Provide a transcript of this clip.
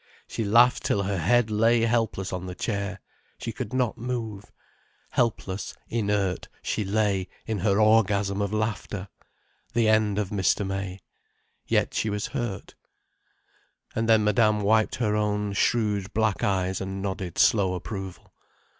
She laughed till her head lay helpless on the chair, she could not move. Helpless, inert she lay, in her orgasm of laughter. The end of Mr. May. Yet she was hurt. And then Madame wiped her own shrewd black eyes, and nodded slow approval.